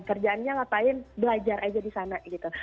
kerjaannya ngapain belajar aja di sana gitu